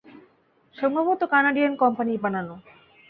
সম্ভবত কানাডিয়ান কোম্পানির বানানো।